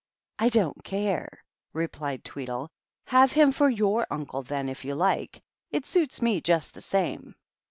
" I don't care," replied Tweedle. " Have him for your uncle, then, if you like. It suits me just the same."